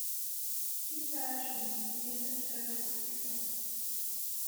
Two versions with different vocals exist.